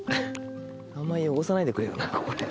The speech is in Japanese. あんまり汚さないでくれよな。